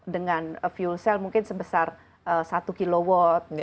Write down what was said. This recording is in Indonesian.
dengan fuel cell mungkin sebesar satu kilowatt